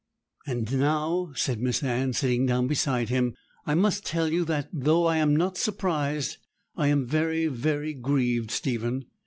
'And now,' said Miss Anne, sitting down beside him, 'I must tell you that, though I am not surprised, I am very, very grieved, Stephen.